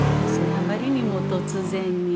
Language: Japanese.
あまりにも突然に。